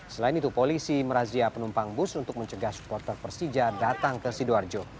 selain itu polisi merazia penumpang bus untuk mencegah supporter persija datang ke sidoarjo